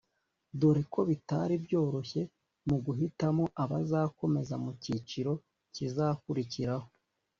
dore ko bitari byoroshye mu guhitamo abazakomeza mu cyiciro kizakurikiraho